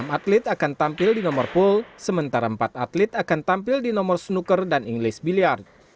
enam atlet akan tampil di nomor pool sementara empat atlet akan tampil di nomor snoker dan englist biliard